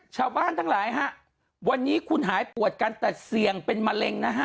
ชาวบ้านทั้งหลายฮะวันนี้คุณหายปวดกันแต่เสี่ยงเป็นมะเร็งนะฮะ